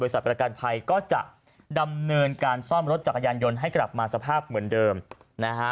ประกันภัยก็จะดำเนินการซ่อมรถจักรยานยนต์ให้กลับมาสภาพเหมือนเดิมนะฮะ